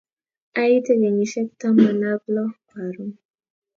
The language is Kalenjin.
Aite kenyisiek taman ak lo karon